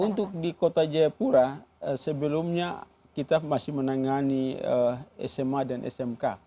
untuk di kota jayapura sebelumnya kita masih menangani sma dan smk